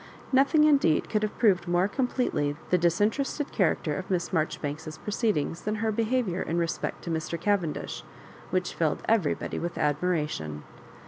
Nothing indeed could have proved more completely the disinterested character of Miss Maijoribanks's proceedings than her behaviour in respect to Mr. Cavendish, which filled every body with admiration.